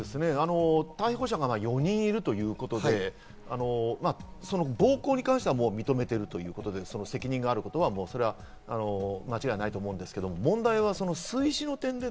逮捕者が４人いるということで、暴行に関してはもう認めているということで責任があることは間違いないと思うんですけど、問題は水死の点。